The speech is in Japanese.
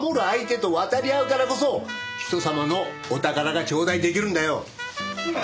相手と渡り合うからこそ人様のお宝がちょうだい出来るんだよ。